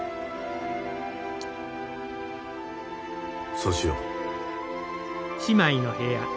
そうしよう。